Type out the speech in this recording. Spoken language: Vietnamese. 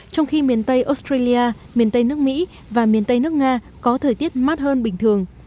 trong khi miền tây australia miền tây nước mỹ và miền tây nước nga có thời tiết mát hơn bình thường